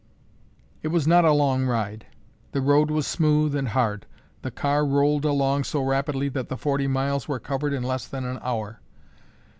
It was not a long ride. The road was smooth and hard. The car rolled along so rapidly that the forty miles were covered in less than an hour.